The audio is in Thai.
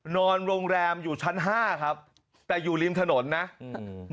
นอนโรงแรมอยู่ชั้น๕แต่อยู่ริมถนนไง